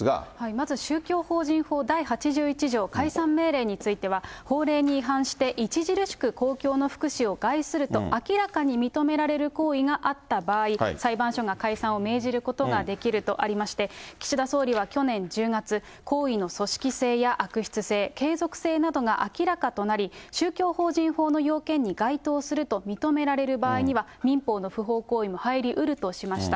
まず宗教法人法第８１条、解散命令については、法令に違反して著しく公共の福祉を害すると明らかに認められる行為があった場合、裁判所が解散を命ずることができるとありまして、岸田総理は去年１０月、行為の組織性や悪質性、継続性などが明らかとなり、宗教法人法の要件に該当すると認められる場合には、民法の不法行為も入りうるとしました。